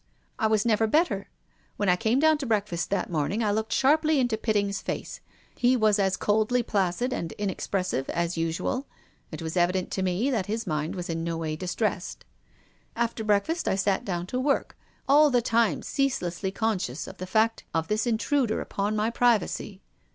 I was never better. When I came down to breakfast that morning I looked sharply into Fitting's face. He was as coldly placid and inexpressive as usual. It was evident to me that his mind was in no way distressed. After break fast I sat down to work, all the time ceaselessly conscious of the fact of this intruder upon my privacy.